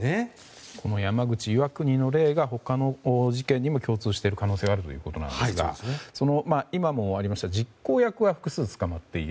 この山口・岩国の例が他の事件にも共通している可能性があるということですが今もありました実行役は複数捕まっている。